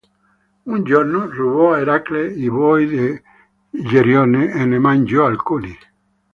Un giorno rubò a Eracle i buoi di Gerione e ne mangiò alcuni.